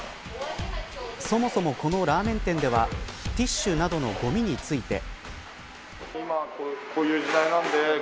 そもそもこのラーメン店ではティッシュなどのごみについて。